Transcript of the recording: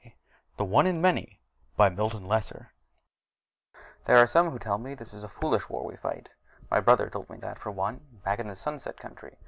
_ THE ONE and THE MANY By Milton Lesser There are some who tell me it is a foolish war we fight. My brother told me that, for one, back in the Sunset Country.